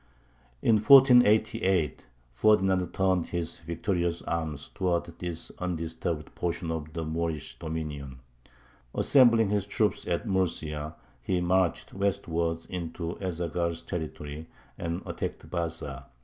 In 1488 Ferdinand turned his victorious arms towards this undisturbed portion of the Moorish dominion. Assembling his troops at Murcia, he marched westwards into Ez Zaghal's territory, and attacked Baza.